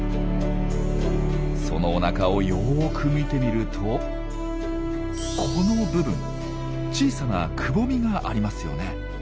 そのおなかをよく見てみるとこの部分小さなくぼみがありますよね。